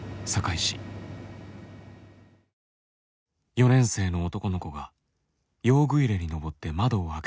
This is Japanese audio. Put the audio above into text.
４年生の男の子が用具入れに上って窓を開けた時転落。